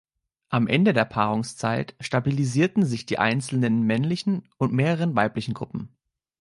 Am Ende der Paarungszeit stabilisierten sich die einzelnen männlichen und mehreren weiblichen Gruppen.